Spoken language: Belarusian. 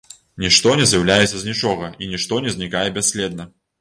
Нішто не з'яўляецца з нічога, і нішто не знікае бясследна.